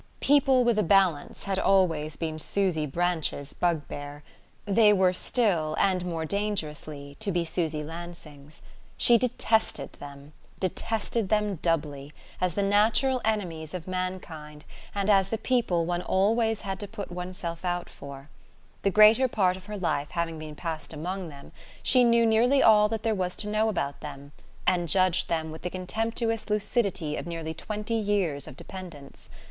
People with a balance had always been Susy Branch's bugbear; they were still, and more dangerously, to be Susy Lansing's. She detested them, detested them doubly, as the natural enemies of mankind and as the people one always had to put one's self out for. The greater part of her life having been passed among them, she knew nearly all that there was to know about them, and judged them with the contemptuous lucidity of nearly twenty years of dependence.